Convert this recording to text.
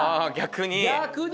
逆に。